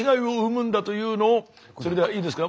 それではいいですか？